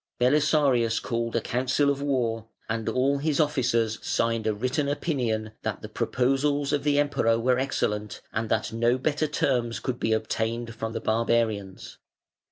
Belisarius called a council of war, and all his officers signed a written opinion "that the proposals of the Emperor were excellent, and that no better terms could be obtained from the Barbarians".